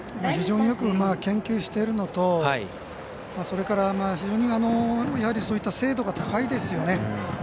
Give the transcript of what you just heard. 非常によく研究しているのとそれから、非常にそういった精度が高いですよね。